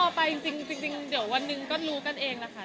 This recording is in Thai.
ก็รอไปจริงเดี๋ยววันนึงก็รู้กันเองล่ะค่ะ